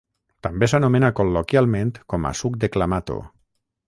També s'anomena col·loquialment com a "suc de clamato".